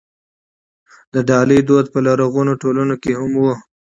د ډالۍ دود په لرغونو ټولنو کې هم و.